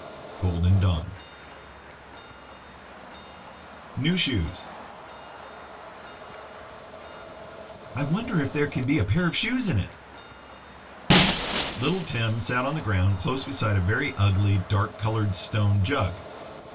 Golden Dawn NEW SHOES "I wonder if there can be a pair of shoes in it!" Little Tim sat on the ground close beside a very ugly dark colored stone jug.